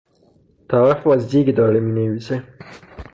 طرف با زیگ داره مینویسه.